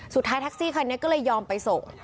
สุดท้ายแท็กซี่คันนี้ก็เลยยอมไปส่ง